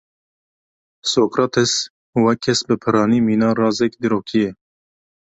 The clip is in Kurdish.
Sokrates wek kes bi piranî mîna razek dîrokî maye.